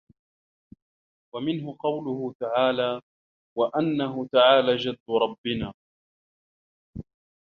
وَمِنْهُ قَوْله تَعَالَى وَأَنَّهُ تَعَالَى جَدُّ رَبِّنَا